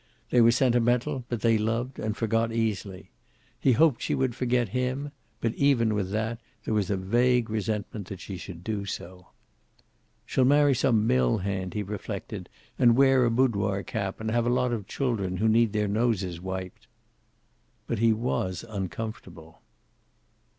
They were sentimental, but they loved and forgot easily. He hoped she would forget him; but even with that, there was a vague resentment that she should do so. "She'll marry some mill hand," he reflected, "and wear a boudoir cap, and have a lot of children who need their noses wiped." But he was uncomfortable.